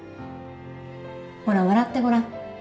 ほら笑ってごらん。